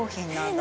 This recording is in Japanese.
何？